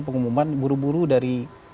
pengumuman buru buru dari